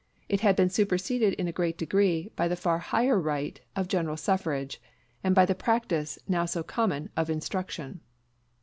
It had been superseded in a great degree by the far higher right of general suffrage, and by the practice, now so common, of instruction.